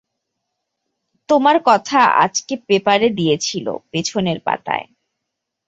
তোমার কথা আজকে পেপারে দিয়েছিল, পেছনের পাতায়।